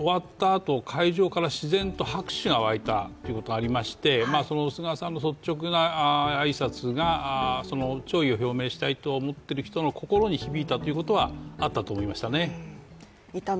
あと会場から自然と拍手が沸いたということがありまして、菅さんの率直な挨拶が弔意を表明したいと思っている人の心に響いたということはあったと思いました。